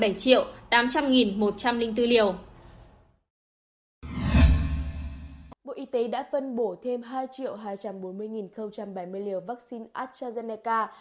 bộ y tế đã phân bổ thêm hai hai trăm bốn mươi bảy mươi liều vắc xin astrazeneca